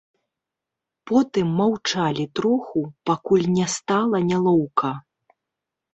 Потым маўчалі троху, пакуль не стала нялоўка.